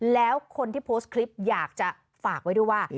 แล้วคนที่โพสต์คลิปอยากจะฝากไว้ด้วยว่า